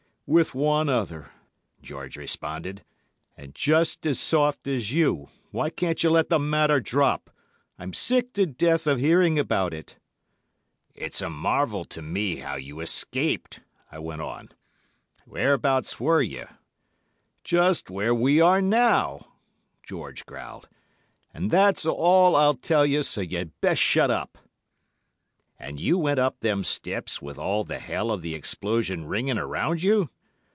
"'With one other,' George responded, 'and just as soft as you. Why can't you let the matter drop? I'm sick to death of hearing about it.' "'It's a marvel to me how you escaped,' I went on; 'whereabouts were you?' "'Just where we are now,' George growled, 'and that's all I'll tell you, so you'd best shut up!' "'And you went up them steps with all the hell of the explosion ringing around you?